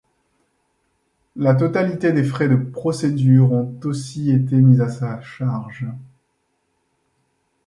La totalité des frais de procédure ont aussi été mis à sa charge.